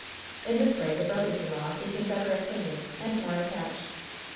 In this way the brothers in law became better ac quainted and more attached.